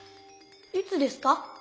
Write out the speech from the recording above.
いつですか？